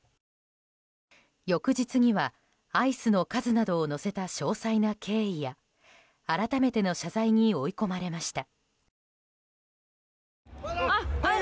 翌日にはアイスの数などを載せた詳細な経緯や改めての謝罪に追い込まれました。